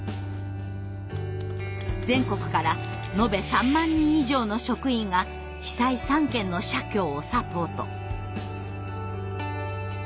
全国からのべ３万人以上の職員が被災３県の社協をサポート。